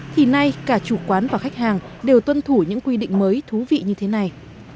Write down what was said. thì nay cả chủ quán và khách hàng đều tuân thủ những quy định mới thú vị như thế này